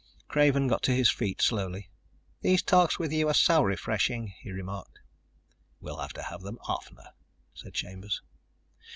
Craven got to his feet slowly. "These talks with you are so refreshing," he remarked. "We'll have to have them oftener," said Chambers.